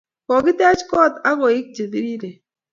Kokitech kot ak koik che piriren